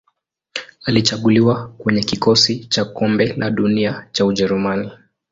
Alichaguliwa kwenye kikosi cha Kombe la Dunia cha Ujerumani.